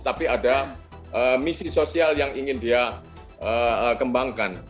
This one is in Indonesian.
tapi ada misi sosial yang ingin dia kembangkan